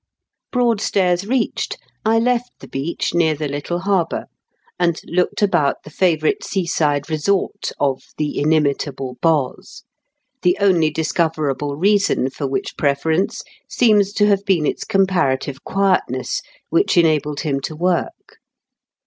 Broadstairs reached, I left the beach near the little harbour, and looked about the favourite seaside resort of "the inimitable Boz," the only discoverable reason for which preference seems to have been its comparative quietness, which enabled him to work.